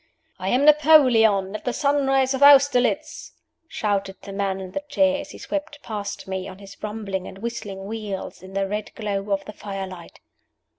"I am Napoleon, at the sunrise of Austerlitz!" shouted the man in the chair as he swept past me on his rumbling and whistling wheels, in the red glow of the fire light.